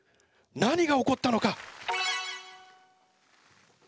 何が起こったのか？